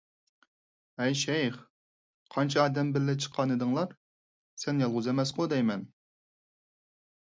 ھەي شەيخ، قانچە ئادەم بىللە چىققانىدىڭلار؟ سەن يالغۇز ئەمەسقۇ دەيمەن!